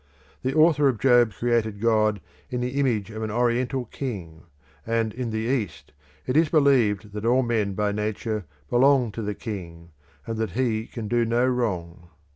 The author of Job created God in the image of an Oriental king, and in the East it is believed that all men by nature belong to the king, and that he can do no wrong.